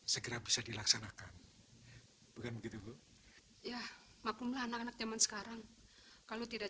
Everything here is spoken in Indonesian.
segera bisa dilaksanakan bukan begitu bu ya maklumlah anak anak zaman sekarang kalau tidak